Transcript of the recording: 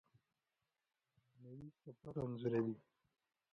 کیمیاګر یو معنوي سفر انځوروي.